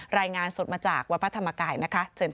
รายงานสดมาจากวัดพระธรรมกายนะคะเชิญค่ะ